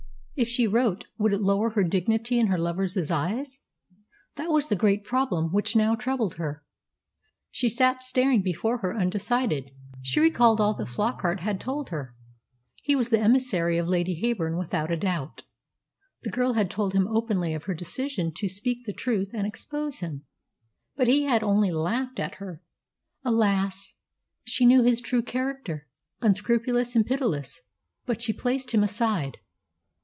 If she wrote, would it lower her dignity in her lover's eyes? That was the great problem which now troubled her. She sat staring before her undecided. She recalled all that Flockart had told her. He was the emissary of Lady Heyburn without a doubt. The girl had told him openly of her decision to speak the truth and expose him, but he had only laughed at her. Alas! she knew his true character, unscrupulous and pitiless. But she placed him aside.